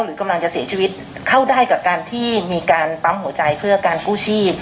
หรือกำลังจะเสียชีวิตเข้าได้กับการที่มีการปั๊มหัวใจเพื่อการกู้ชีพ